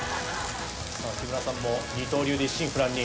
さぁ木村さんも二刀流で一心不乱に。